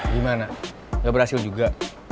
gimana gak berhasil juga